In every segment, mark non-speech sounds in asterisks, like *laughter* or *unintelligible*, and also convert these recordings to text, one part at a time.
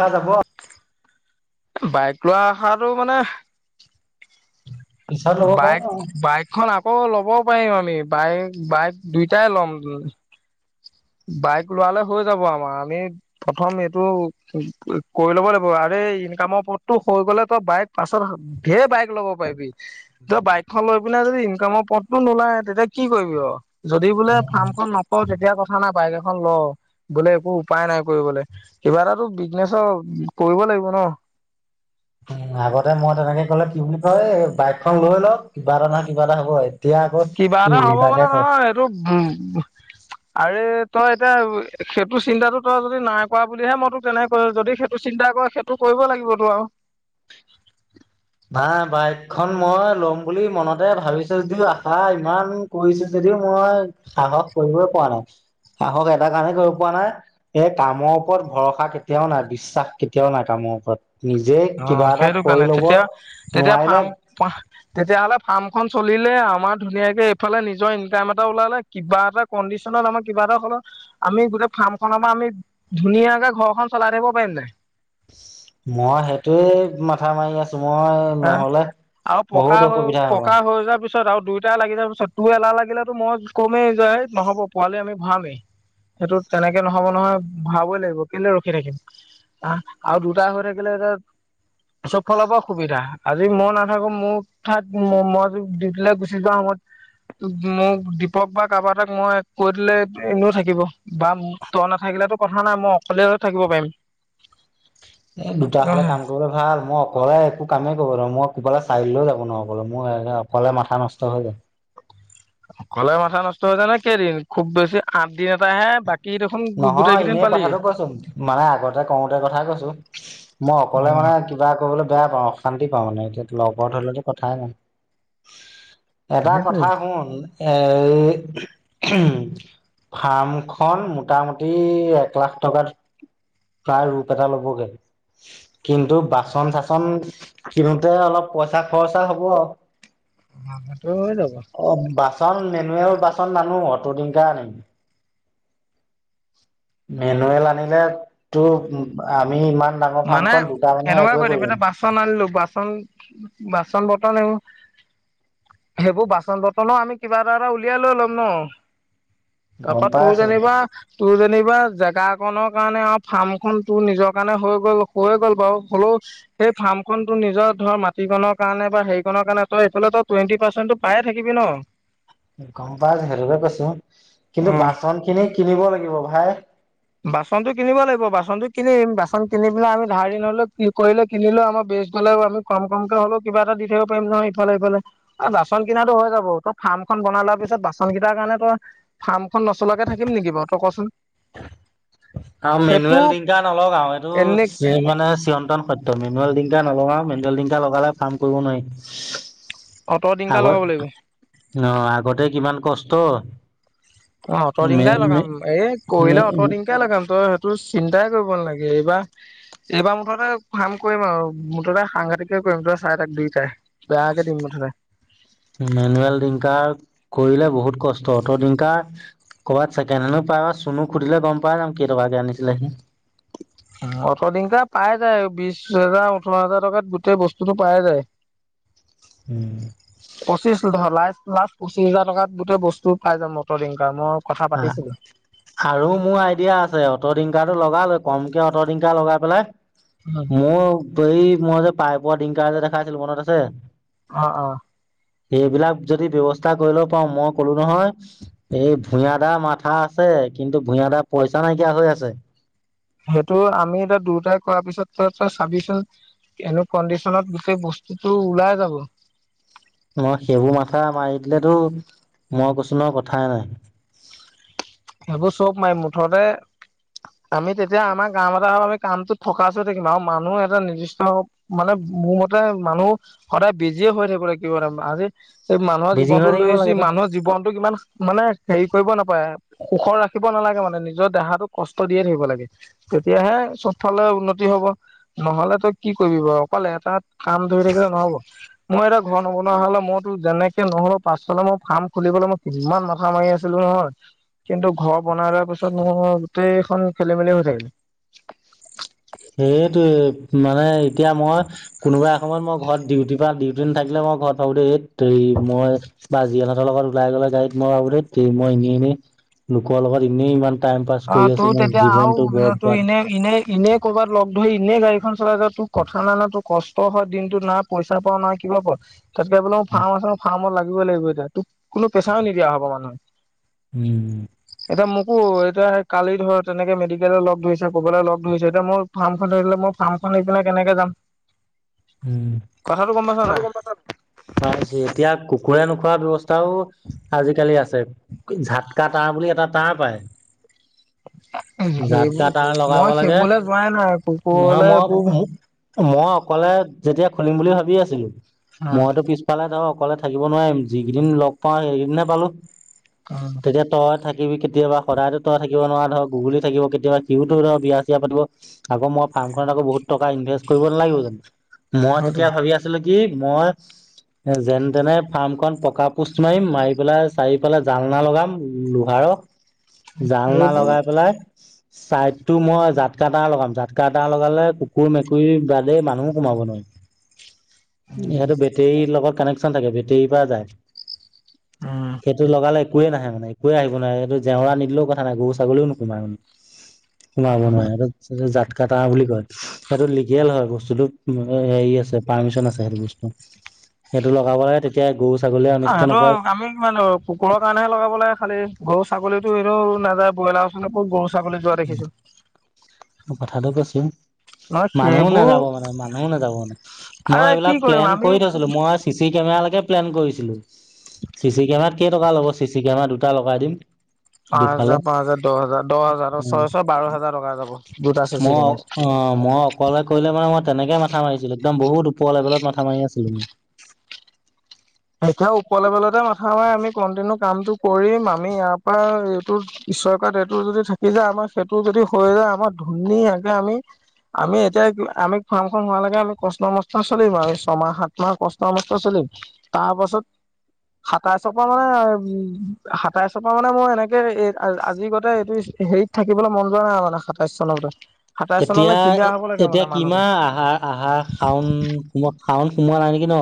ক তাপোৱা বাইক লোৱা অহাটো মানে। পিছত ল'ব পাৰিম বাইক আৰু। বাইকখন। আকৌ ল'বও পাৰিম আমি বাইক বাইক দুইটাই ল'ম বাইক লোৱালে হৈ যাব আমাৰ আমি প্ৰথম এইটো কৰি ল'ব লাগিব আ। ইনকামৰ পথটো হৈ গ'লে তই বাইক পাছত ধেৰ বাইক ল'ব পাৰিবি তই উম, বাইকখন লৈ। পিনে যদি ইনকামৰ পথটো নোলায় তেতিয়া কি কৰিবি আৰু যদি বোলে ফাৰ্ম খন নক তেতিয়া বাইক‌এখন ল বোলে একো উপায় নাই কৰিবলে কিবা এটাতো বিজনেচৰ কৰিব। লাগিব ন। *unintelligible* উ আগতে মই তেনেকে ক'লে কি বুলি কয় এই বাইকখন লৈ লওক কিবা এটা নহয় কিবা এটা হ'ব। এতিয়া আকৌ কিবা কি এটা হ'ব উল্টাকে মানে কয়। নহয় এইটো উ আৰে তই এতিয়া সেইটো চিন্তাটো তই যদি নাই কৰা বুলিহে মই তো কেনেক কৈ যদি সেইটো চিন্তা সেইটো কৰিব লাগিবতো আৰু উ ভা বাইক খন মই ল'ম বুলি মনতে ভাবিছো যদিও আশা ইমান কৰিছো যদিও মই মই সাহস কৰিবই পোৱা নাই। সাহস এটা কাৰণে কৰিব পোৱা নাই এই কামৰ ওপৰত ভৰসা কেতিয়াও নাই বিশ্বাস কেতিয়াও নাই কাম নিজে অ কিবা এটা সেইটো কৰি কাৰণে ল'ব তেতিয়া তেতিয়া নোৱাৰিলে ফাৰ্ম তেতিয়াহলে ফাৰ্ম খন চলিলে আমাৰ ধুনীয়াকে এইফালে নিজৰ ইনকাম এটা ওলালে কিবা এটা ত আমাৰ কিবা এটা হল আমি গোটেই ফাৰ্ম খনৰ পৰা আমি ধুনীয়াকে ঘৰখন চলাই থাকিব পাৰিম নাই মই সেইটোয়ে মাথা মাৰি আছো মই হা নহলে বহুত অসুবিধা হ'ব তাৰপিছত আৰু দুইটা লাগি যোৱাৰ পিছত তো এলাহ লাগিলেতো মই কমেই যে নহ'ব পোৱালি আমি ভৰামেই সেইটো তেনেকে নহব নহয় ভাবই লাগিব কিন্ত ৰখি থাকিম আহ আৰু দুটা হৈ থাকিলে এত চব ফল পৰা সুবিধা আজি মই নাথাকো মোৰ ঠাইত মই দি পেলাই গুচি যোৱা সময়ত মোক দীপক বা কাৰোব এটাক মই কৈ দিলে এনেও থাকিব বা ত নাথাকিব সিলাতো কথা নাই মই অকলে থাকিব পাৰিম *unintelligible* এ দুটা হলে কাম কৰিবলে ভাল মই অকলে একো কামেই কৰিব মই কবালে চাইলৈও যাব ন অলে মোৰ অকলে মাথা নষ্ট হৈ যায় অকলে মাথা নষ্ট হৈ য়ায নে কেইদিন খুব বেছি আঠ দিন এট হে বাকী দেখোন গোটেই নহয় কেইদিন এনেই পালিয়ে কথাটো কৈছো মানে আগতে কওঁতে কথা কৈছো মই অকলে মানে কিবা কৰিবলৈ বেয়া পাওঁ অশান্তি পাওঁ মানে এতিয়া লগত হলেতো কথাই নাই এটা সেইটোৱে কথা শুন এ ফাৰ্ম খন মোটামুটি এক লাখ টকাত প্ৰায় ৰূপ এটা ল'বগৈ কিন্তু বাচন চাচন কিনোতে অলপ পইচা খৰচা হ'ব অটো হৈ যাব মেনুুৱেল বাচত মানুহ অতদিনক আনিম মেনুৱেল আনিল তো আমি ইমান ডাঙৰ মানে ফাৰ্মখন দুটা মানুহে এনেকুৱা একোৱে কৰি কৰিব দিম নোৱাৰে এতিয়া বাচন আনিলো বাচন বাচন চ বৰ্ত ন সেইবোৰ বাচন বৰ্তনো আমি কিবা এটা এটা উলিয়াই লৈ ল'ম ন গম তাৰপা পাই তোৰ আছো যেনিবা তোৰ যেনিবা জেগা একনৰ কাৰণে আৰু ফাৰ্মখনন তোৰ নিজৰ কাৰণে হৈ গ'ল হৈয়ে গ'ল বাৰু হ'লেও সেই ফাৰ্ম ন তো নিজৰ ধৰ মাটিকনৰ কাৰণে বা হেৰিণনৰ কাৰণে তই এইফালে তই টুৱেণ্টি পাৰ্চেণ্টটো পায়ে থাকিবি ন গম পাই সেৰুকে কৈছো কিন্তু উম, বাচন খিনি কিনিব লাগিব ভাই বাচনতটো কিনিব লাগিব বাচনতটো কিনিম বাচন কিনি পিনে আমি ধাৰ দি‌ হলেও কি কৰিলে কিনিলোও আমাৰ ইফালে আমি কম কমকে হ'লেও কিবা এটা দি থাকিব পাৰিম নহয় ইফালে ইফালে আৰু বাচন কিনাতো হৈ যাব। ফাৰ্মখন বনাল লাৰ পিছত বাচন কেইটাৰ কাৰণে তই ফাৰ্মখন নচলাকে থাকিম নেকি বাৰু ত কচোন হয়ঢ়থ আৰু সেইটো মেনুৱেল ডং নলগ আৰু এইটো এনে মানে চিয়ন্তন সত্ মেনুৱেল নলাও মেন্দেলিঙকা লগালে ফাৰ্ম কৰিব নোৱাৰি অট ডিংকাৰ আগত লগাব লাগিব আহ আগতে কিমান কষ্ট অ সতৰ মে দিনকাই মে লগাম এই মে কৰিলে সতৰ দিনকাই লগাম তই স তোৰ চিন্তাই কৰিব নালাগে এইবাৰ এইবাৰ মুঠতে কাম কৰিম আৰু মুঠতে সাংঘাতিকে কৰিম চাৰে তাক দুইটাই বেয়াকে দিম মুঠতে মোনুৱেল ডংকাৰ কৰিলে বহুত কষ্ট অতদিনকা। ক'ৰবাত চেকেঁন হেন পায়া চুনো সুধিলে গম পাই যাম কেইটকা কে আনিছিলেহি। অটদংকা পাই যায় বিশ হোজাৰ ওঠৰ হোজাৰ টকাত গোটেই বস্তুতটো পাই যায়। *unintelligible* পঁচিছ দহ লাইখ। *unintelligible* লাষ্ট পঁচিশ হাজাৰ টাত গোটেই বস্তু পাই যাম মটৰ ইনকামৰ। আৰু মোৰ আইডিয়া আছে অটো ৰিংকাটো লগাল। কমকে অট ৰিংকা লগাই পেলাই মোৰ এই মই যে, পাইপোৱা ডিংকা যে দেখা আছিল মনত আছে, অ অ সেইবিলাক যদি ব্যৱস্থা কৰি ল পাৰওঁ মই কলো নহয় এই, ভূঞা দা মাথা আছে কিন্তু ভূঞা দাৰ পইচা নাইকিয়া হৈ আছে, সেইটো আমি এতিয়া দুয়োটাই কৰাৰ পিছত তই তই চাবিচোন এনেো কণ্ডিচনত গোটেই বস্তু তোৰ ওলাই যাব। ন সেইবোৰ মাথা মাৰি দিলেতো মই কছোনৰ কথাই নাই। চি সেইবোৰ চব মাই মুঠতে, আমি তেতিয়া আমাৰ গাঁও এটা হ আমি কামটোত থকাচৈ থাকিম আৰু মানুহ এটা নিৰ্দিষ্ট মানে, মোৰ মতে মানুহ সদায় বিজিয় হৈ থাকিল কিব আজি, এই মানুহৰ বিজি জীৱনটো হৈ লৈ থাকিব আহিছো লাগেতো। মানুহৰ জীৱনটোক ইমান মানে হেৰি কৰিব নাপায়। সুখৰ ৰাখিব নালাগে মানে নিজৰ দেহাটোক কষ্ট দিয়ে ধৰিব লাগে তেতিয়াহে স উন্নতি, হব নহলে তই কি কৰিব অকলে এটাত কাম ধৰি থাকিলে নহ'ব। মই এটা ঘৰ নবনা হলে মইতো যেনেকে নহ'ল পাছালত মোৰ ফাৰ্ম খুলিবলৈ মই কিমান মাথা মাৰি আছিলো। অ, কিন্তু ঘৰ বনাই লোৱাৰ পিছত মোৰ গোটেইখন খেলি মেলি হৈ থাকিলে। সেইটোয়ে মানে এতিয়া মই কোনোবাই এ সময়ত মই ঘৰত ডিউটি পা ডিউটি নাথাকিলে মই, মই ঘৰত ভাবো দেই এই মই বাাজিয়ালহঁতৰ লগত ওলাই গলে গাড়ী মই ভাবো দেই মই এনেই এনেই, লোকৰ লগত এনেই ইমান। টাইম পাছ অ কৰি আছো তোৰ মোৰ তেতিয়া জীৱনটো আৰুও তোৰ বৰবাদ। এনে এনে এনেই কৰ'বাত লগ, সেই ই এনেই গাড়ীখন চলাই যা তোৰ কথা নাই না তোৰ কষ্ট হয় দিনটোত নাই পইচা পাও না কিবা পাও তাতকে বোলে মোৰ ফাৰ্ম আ ফাৰ্মত লাগিবই লাগিব এতিয়া তোক কোনো পেছাও নিদিয়া হ'ব মানুহে, উম, এতিয়া মোকো, এতি কালি ধৰ তেনেকে মেডিকেললে লগ ধৰিছে, ক'ৰবাললৈ লগ ধৰিছে, এতিয়া মোৰ ফাৰ্মখন ধৰিলে মোৰ ফাৰ্মখন আহি পিনে কেনেকে কেনেকে যাম। কথাটো গম পাইছ নাই *unintelligible* এতিয়া কুকুৰা ন। খোৱা ব্যৱস্থা আজিকালি আছে ঝাটকা তাঁৰ বুলি এটা তাঁ পায়, *unintelligible* জাত ক সেইবোৰ তাৰ লগাব মই লাগে সেইবোৰলে যোৱাই নাই নহয় কুকুৰলে মই, এইবোৰ মই অকলে যেতিয়া খুলিম বুলি ভাবি আছিলো, অ' মইতো পিছফালে ধৰক, অকলে থাকিব নোৱাৰিম যি কেইদিন লগ পাওঁ সেইকেইদিনহে পালো অ' তেতিয়া তই থাকি। থিবি কেতিয়াবা সদায়ো তই থাকিব নোৱাৰা ধৰক গুগুলি থাকিব কেতিয়াবা সও তো বিয়া চিয় পাতি আক মই, কামত আকৌ বহুত টকা ইনভেষ্ট কৰিব নালাগিব জানো মই হয়তো তেতিয়া ভাবি আছিলো কি মই, এ যেনে তেনে ফাৰ্মখন পকা পোষ্ট মাৰিম মাৰি পেলাই চাৰি পেলাই জালনা লগাম লোহাৰ। জংনা এইবোৰ লগাই পেলাই, চাইদ টো মই জাতকা তাৰ লগাম জাতকা টা লগালে কুকুৰ মেকুৰী বাদেই মানুহো হোমাব নোৱাৰিব। উম, ইিহঁতো বেটেৰীৰ লগত কানেকশচন থাকে বেটৰীৰ পৰা যায়। উম। সেইটো লগালে, একোৱেই নাহে মানে একোৱে আহিব নোৱাৰে সেইটো জেওৰা নিদিলেও কথা নাই গৰু ছাগলীও নোকোমাই মানে। অ' সোমাব নোৱাৰে হে জাতকা তাৰ বুলি কয় সেইটো লিগেল হয় বস্তুটো। হেৰি আছে পাৰ্মিচন আছে সেইটো বস্তু সেইটো লগাবলাগে তেতিয়া গৰু ছাগলীয়ে অনিষ্ট সেটো নকৰে আমি কিমান কুকুৰৰ কাৰণেহে লগাব লাগে খালি গৰু -ছাগলীতো এনেও নাযায় ব্ৰইলাৰ ওচৰলে'ক গৰু- ছাগলী যোৱা দেখিছো? কথাটো কৈছিম। নহয় মানুহো সেইবোৰ নাযাব মানে মানুহো নাযাব মানে মই আৰে কি সেইবিলাক কৰিম প্লেন আমি কৰি থৈছিলো মই চি চি কেমেৰা প্লেন কৰিছিলো চি চি কেমেৰাত কেইটকা ল'ব চি চি কেমেৰা দুটা লগাই দিম। পাঁচ দুফালে হাজাৰ পাঁচ হাজাৰ দহ হাজাৰ দহ হাজাৰ উম ছয় ছয় বাৰ হাজাৰ টকা যাব। দুটা চি চি মই অ কেমেৰা। অ মই অকলে কৰিলে মানে মই তেনেকে মাথা মাৰিছিলো একদম বহুত ওপৰ লেভেলত মাথা মাৰি আছিলো মই। এতিয়া উপওৰ লেভেলতে মাথা হয় আমি কন্টিনিউ কামটো কৰিম আমি ইয়াৰ পৰা এইটো ঈশ্ব'ই কোৱাত এইটো যদি থাকি যায় আমাৰ সেইটো যদি হৈ যায় আমাৰ ধুনীয়াকে আমি আমি এতিয়া আমি ফাৰ্মখন হোৱালৈকে আমি কষ্ট'মষ্ট চলিম আৰু ছমাহ -সাত মাহ কষ্ট'মষ্ট চলিম তাৰ পাছত সাতাইশৰ পৰা মানে উ সাতাইশৰ পৰা মানে মই এনেকে এই আজি গতে এইটো হেৰিত থাকিবলৈ মন যোৱা নাই আৰু মানে সাতাইচ চনৰগতে এতিয়া এতিয়া কিমান আহা আহা- শাউন শাউন সোমোৱা নাই নেকি ন?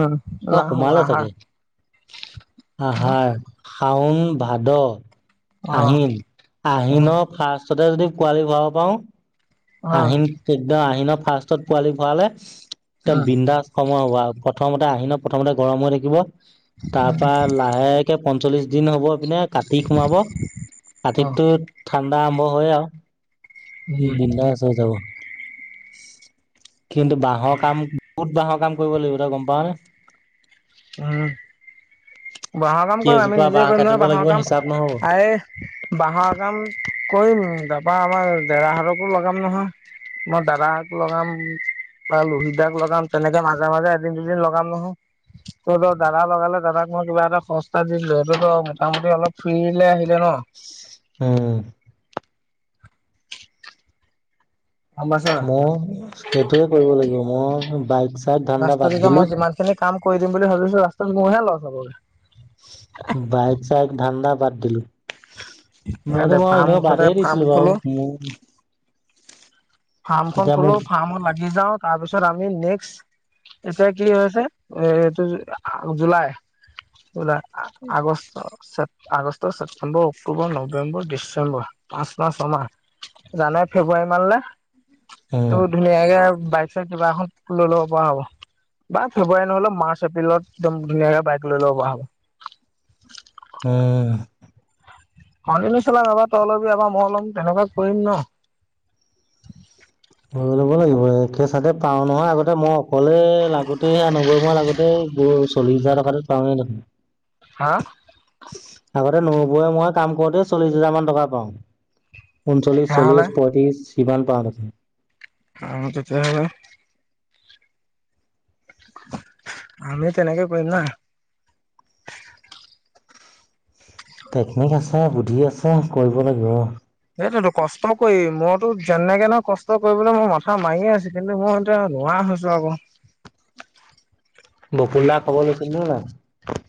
উম অ নাই হোৱা সোমালে আহাৰ চাগে আহাৰ, শাউন ভাদ, অ', অ', আহিন অ', উম, আহিনৰ ফাৰ্ষ্ট পাছতে যদি পোৱালি ভৰাব পাওঁ উম, আহিন একদম আহিনত ফাৰ্ষ্ত পোৱালি ভৰালে একদম বিন্দাস সময় হ প্ৰথমতে আহিন প্ৰথমতে গৰম হৈ থাকিব তাৰ পৰা লাহেকে পঞ্চল্লিশ দিন হব পিনে কাটি সোমাব অ', কাটিত'তো ঠাণ্ডা আৰম্ভ হয় আৰু উম, বিন্দাচ হৈ যাব। *inaudible* কিন্তু বাঁহৰ কাম বহুত বাঁহৰ কাম কৰিব লাগিব তই গম পাওঁ নে? আহ বাঁহৰ কাম কৰিম আমি কেইজোপা নিজে বাঁহ কৰিম কাটিব নহয় বাঁহৰ লাগিব কাম, হিচাপ নহ'ব আ'ৰে বাঁহৰ কাম কৰিম তাৰাপা আমাৰ ডেৰাহতকো লগাম নহয় মই দা'দা হেতলগাম বা লুহিত দা'ক লগাম, তেনেকে মাজে- মাজে এদিন দুদিন লগাম নহয়। তইত দা'দা লগালে দাদাক মই কিবা এটা সস্তাত দি'দিলো সেইটোতো মোটামুটি অলপ ফ্ৰীলে আহিলে ন? উম গম পাইছ নাই মই সেইটোৱে কৰিব লাগিব মই বাইক -চাইক ধান্দা বাদ দিলো কৈ দিম বুলি ভাবিছো ৰাস্তাত মইহে ল'চ হবগে। বাইক -চাইক ধান্দা বাদ দিলো। মে মইতো দে ম'ই ফাৰ্ম এনে মুঠতে বাদেই ফাৰ্ম দিছিলো বাৰু খোলো ফাৰ্মখন তেতিয়া খোলো মোক ফাৰ্মত লাগি যাওঁ তাৰপিছত আমি নেক্স এতিয়া কি হৈছে এ এইটো July July August, August, September, October, November, December পাঁচমাহ' ছঁমাহ জানুৱাৰী ফেব্ৰুৱাৰী মানলে উম ত ধুনীয়াকে বাইছে কিবা এখন লৈ ল'ব পৰা হ'ব বা ফেব্ৰুৱাৰী নহ'লেও মাৰ্চ এপ্ৰিলত একদম ধুনীয়াকে বাইক লৈ ল'ব পৰা হ'ব। উম কণ্টিনিউ চলাম এবাৰ তইলবি এবাৰ মই লম তেনেকুৱা কৰিম ন? হৈ ল'ব লাগিবে একছচাতে পাওঁ নহয় আগতে মই অকলে লাগোতেহে আনোগৈ মই আগতে আ চল্লিশ হাজাৰ টকা পাওঁ নে দেখোন। হা আগতে নৌবই মই কাম কৰোতে চল্লিশ হাজাৰ মান টকা পাওঁ। ঊনচল্লিশ, তেতিয়াহ'লে চল্লিশ, পঁয়ত্ৰিছ সিমান পাওঁ দেখোন। অটোতে হয় আমি তেনেকে কৰিম না টেকনিক আছে বুদ্ধি আছে কৰিব লাগিব অ সেইটোতো কষ্ট কৰি মইতো যেনেকে নহ কষ্ট কৰিবলৈ মোৰ মাথা মাৰিয়ে আছ কিন্তু মোৰ এয়া লোৱাছো আকৌ বকুললা খবৰ লৈছিল ন নাই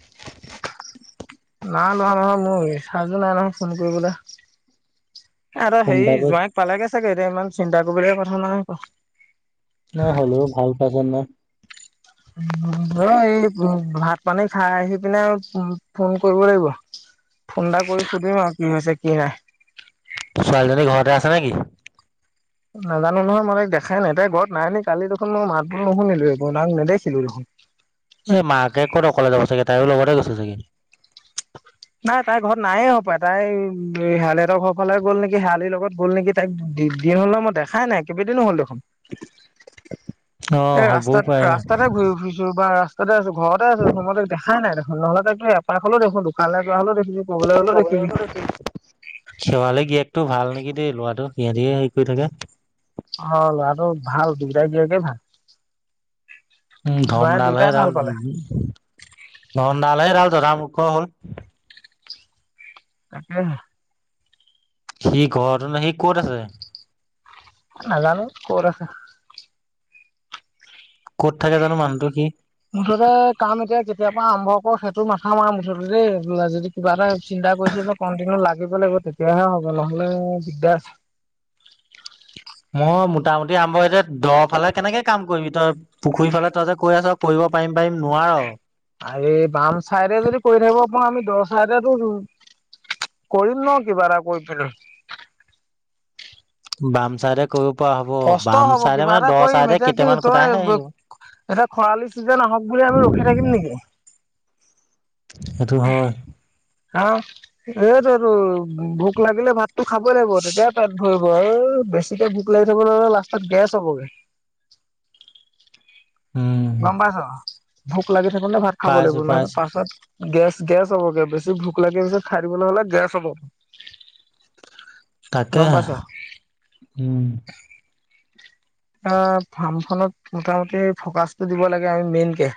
নাই লোৱা নহয় মোৰ ৰিচাৰ্চ জো নাই নহয় ফোন কৰিবলৈ আৰু ফোন এটা হেৰি কৰি জোৱাইক পালোগে চাগে এতিয়া ইমান চিন্তা কৰিবলে কথা নহয় আকৌ ন হ'লেও ভাল পাইছ ন অ এই ভাত পানী খাই আহি পিনে ফোন কৰিব লাগিব ফোন এটা কৰি সুধিম আৰু কি হৈছে কি নাই ছোৱালীজনী ঘৰতে *unintelligible* নাজানো নহয় মানে দেখাই নেদে গৰত নাইে কালি দেখোন মই মাতবোৰ নুশুনিলো এইবোৰাক নেদেখিলো দেখোন এ মাকে ক'ত অকলে যাব চাগে তাই লগতে গৈছে চাগে নাই তাইৰ ঘৰত নায়ে হ পায় তাই শোলিহঁতৰ ঘৰ ফালে গ'ল নেকি শেৱালিৰ লগত গ'ল নেকি তাইক দিন হ'লে মই দেখাই নাই কেইবদিনো হ'ল দেখোন অ এ হ'বও ৰাস্তাত পাৰে অ ৰাস্তাতে ঘূৰি ফুৰিছো বা ৰাস তাতে আছো ঘৰতে আছো সময় ত দেখাই দেখোন নহলে তো এপাৰ হলে দেখোন দোকানে যোৱা হলে দেখো খেৱালে শেৱালি গিভটো ভাল নেকি দেই লোৱাটো সিহঁতি হেৰি কৰি থাকে অ আৰু আৰু ভাল দিগৰাই দিকে ভাল উ জোঁৱাই ধনডাল হে দুইটাই ভাল ৰাল পালে ধনডাল হে ৰাল ৰাম ক হ'ল তাকে সি ঘৰত ন সি কত আছে? নাজানো ক'ত আছে? কত থাকে জানো মানুহটো কি মুঠতে কাম এতিয়া কেতিয় পৰা আৰম্ভ কৰ সেইটো মাথা মাৰ আৰু মুঠতে দেই যদি কিবা এটা দিগদা কৈছে যে কণ্টিনিউ লাগিব লাগিব তেতিয়াহে হ'ব নহলে দিগদাৰ আছে *unintelligible* মই মোটামুটি আৰম্ভ যে দ ফালে কেনেকে কাম কৰিবি তই পুখুৰী ফালে তই যে কৈ আছ কৰিব পাৰি পাৰিম পাৰিম নোৱাৰো আৰে বাম চাদেৰে যদি কৰি থাকিব আপোনাৰ আমি দ চাডেটো ওঁ কৰিম ন কিবা এটা কৰি পিনে বামচাইদে কৰিব পৰা হ'ব কষ্ট হ'ব বামচাইদে কিবা মানে দ চাইদেৰে কেইটামান কুটাই আহে আহিব এতি খৰালি চিজন আহক বুলি আমি ৰখি থাকিম নেকি। এইটো হয় হা এইটো আৰু ভোক লাগিলে ভাতো খাবই লাগিব তেতিয়া পেট ধৰি বেছিকে ভোক লাগি থব নলে লাষ্টত গেছ হ'বগে। উম গম পাইছ ভোক লাগি থাকো ন ভাত খাব লাগিব পাইছো নহয় পাইছো পাছত গেছ গেছ হ'বগে বেছি ভোক লাগি পিছে খাৰ দিব নহ'লে গেছ হ'ব তাকে গম পাইছ। উম অ ফাৰ্মখনত মোটামুটি ফকাচটো দিব লাগে আমি মেইনকে